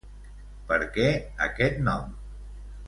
Per què aquest nom?